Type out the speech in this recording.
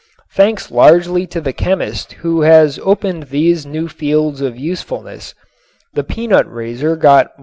Thanks largely to the chemist who has opened these new fields of usefulness, the peanut raiser got $1.